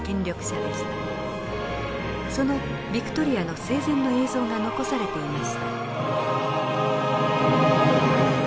そのヴィクトリアの生前の映像が残されていました。